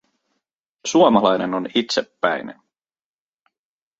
Suomalainen on itsepäinen.